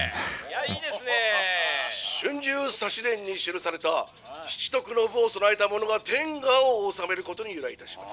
「『春秋左氏伝』に記された七徳の武を備えた者が天下を治めることに由来いたします。